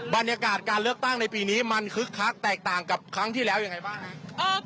บรรยากาศการเลือกตั้งในปีนี้มันคึกคักแตกต่างกับครั้งที่แล้วยังไงบ้างครับ